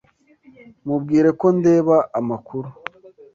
Mubwire ko ndeba amakuru.